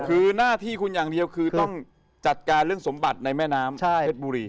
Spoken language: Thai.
คือหน้าที่คุณอย่างเดียวคือต้องจัดการเรื่องสมบัติในแม่น้ำเพชรบุรี